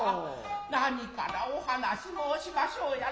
何からお話し申しませうやら。